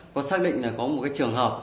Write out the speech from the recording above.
có xác định là có một trường hợp